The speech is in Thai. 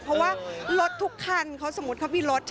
เพราะว่ารถทุกคันเขาสมมุติเขามีรถ